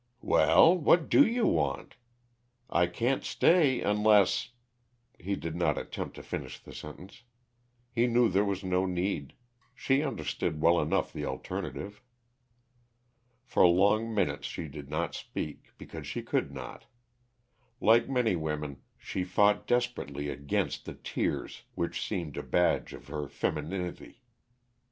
"Well, what do you want? I can't stay, unless " He did not attempt to finish the sentence. He knew there was no need; she understood well enough the alternative. For long minutes she did not speak, because she could not. Like many women, she fought desperately against the tears which seemed a badge of her femininity.